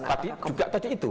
tapi juga tadi itu